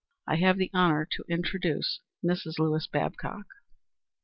I have the honor to introduce Mrs. Lewis Babcock."